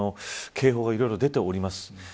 警報が、いろいろ出ております。